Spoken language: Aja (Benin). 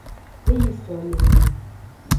E yi soleme.